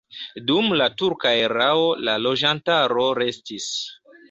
Dum la turka erao la loĝantaro restis.